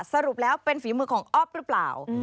สรุปแล้วเป็นฝีมือของอ๊อฟหรือเปล่า